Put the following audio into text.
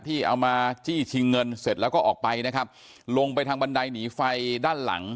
ที่เอามาจี้ชิงเงินเสร็จแล้วก็ออกไปนะครับลงไปทางบันไดหนีไฟด้านหลัง